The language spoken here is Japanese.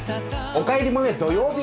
「おかえりモネ」土曜日！